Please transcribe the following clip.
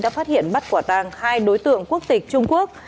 đã phát hiện bắt quả tàng hai đối tượng quốc tịch trung quốc